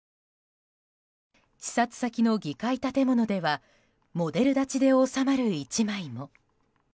視察先の議会建物ではモデル立ちで収まる１枚も。